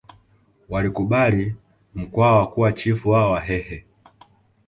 walikubali Mkwawa kuwa chifu wa wahehe